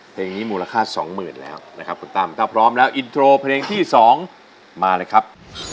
เพลงนี้มูลค่าสองหมื่นแล้วนะครับคุณตั้มถ้าพร้อมแล้วอินโทรเพลงที่๒มาเลยครับ